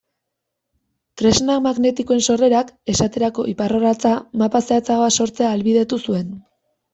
Tresna magnetikoen sorrerak, esaterako iparrorratza, mapa zehatzagoak sortzea ahalbidetu zuen.